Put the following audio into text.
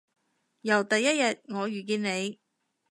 由第一日我遇到你